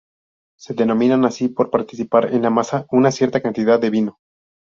Se denominan así por participar en la masa una cierta cantidad de vino.